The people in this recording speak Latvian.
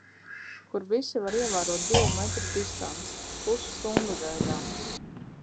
Kur visi var ievērot divu metru distanci. Pusstundu gaidām.